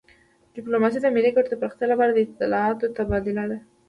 ډیپلوماسي د ملي ګټو د پراختیا لپاره د اطلاعاتو تبادله ده